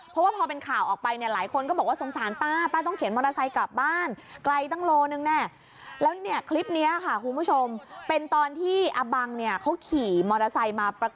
เพราะว่าพอเป็นข่าวออกไปเนี่ยหลายคนก็บอกว่าสงสารป้าป้าต้องเข็นมอเตอร์ไซค์กลับบ้านไกลตั้งโลนึงแน่